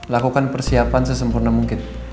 lakukan persiapan sesempurna mungkin